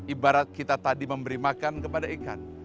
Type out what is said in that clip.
ibarat kita tadi memberi makan kepada ikan